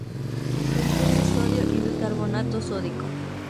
Contiene sodio y bicarbonato sódico.